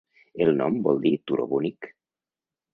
El nom vol dir "turó bonic".